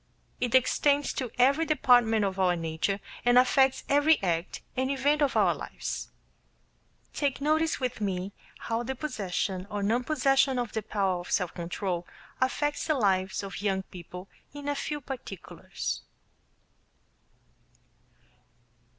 It extends to every department of our nature and affects every act and event of our lives. Take notice with me how the possession or non possession of the power of self control affects the lives of young people in a few particulars.